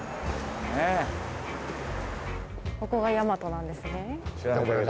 ここが大和なんですね。